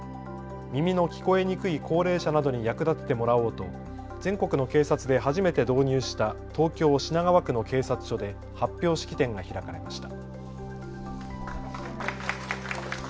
耳の聞こえにくい高齢者などに役立ててもらおうと全国の警察で初めて導入した東京品川区の警察署で発表式典が開かれました。